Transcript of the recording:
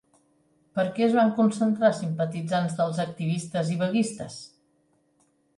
Per què es van concentrar simpatitzants dels activistes i vaguistes?